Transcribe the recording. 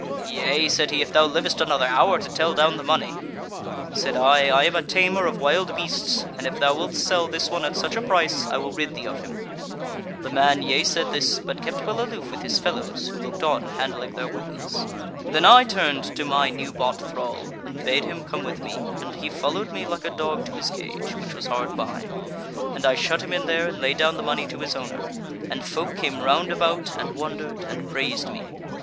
'Yea' said he, 'if thou livest another hour to tell down the money.' Said I, 'I am a tamer of wild beasts, and if thou wilt sell this one at such a price, I will rid thee of him.' The man yeasaid this, but kept well aloof with his fellows, who looked on, handling their weapons. "Then I turned to my new bought thrall and bade him come with me, and he followed me like a dog to his cage, which was hard by; and I shut him in there, and laid down the money to his owner; and folk came round about, and wondered, and praised me.